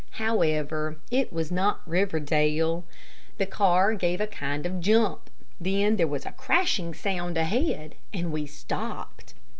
However, it was not Riverdale. The car gave a kind of jump, then there was a crashing sound ahead, and we stopped.